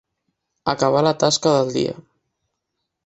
Acabar la tasca del dia.